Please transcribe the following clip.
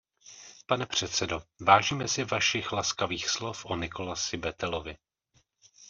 Pane předsedo, vážíme si vašich laskavých slov o Nicholasi Bethelovi.